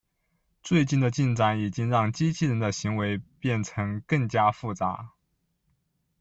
最近的进展已经让机器人的行为变成更加复杂。